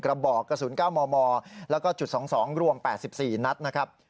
กระบอกกระสุน๙มมแล้วก็จุด๒๒รวม๘๔นัดนะครับ